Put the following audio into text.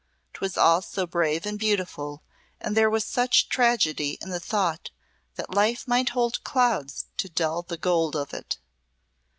'Twas all so brave and beautiful, and there was such tragedy in the thought that life might hold clouds to dull the gold of it.